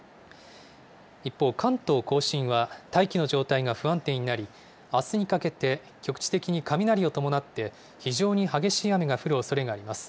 一方、関東甲信は大気の状態が不安定になり、あすにかけて局地的に雷を伴って、非常に激しい雨が降るおそれがあります。